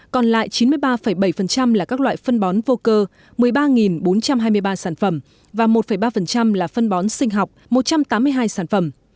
còn lại chín mươi ba bảy là các loại phân bón vô cơ một mươi ba bốn trăm hai mươi ba sản phẩm và một ba là phân bón sinh học một trăm tám mươi hai sản phẩm